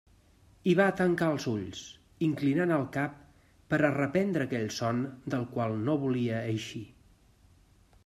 I va tancar els ulls, inclinant el cap per a reprendre aquell son del qual no volia eixir.